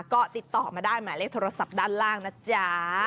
ก็ติดต่อมาได้หมายเลขโทรศัพท์ด้านล่างนะจ๊ะ